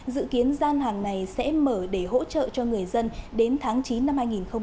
dự kiến gian hàng này sẽ mở để hỗ trợ cho người dân đến tháng chín năm hai nghìn hai mươi